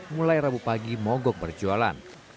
mulai rabu pagi mogok berjualan